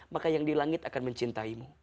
maka yang di langit akan mencintaimu